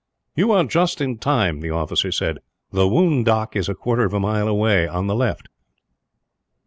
"You are just in time," the officer said. "The Woondock is a quarter of a mile away, on the left."